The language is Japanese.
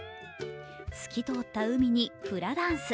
透き通った海にフラダンス。